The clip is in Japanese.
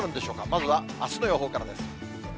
まずはあすの予報からです。